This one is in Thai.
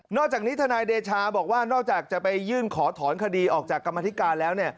อกจากนี้ทนายเดชาบอกว่านอกจากจะไปยื่นขอถอนคดีออกจากกรรมธิการแล้ว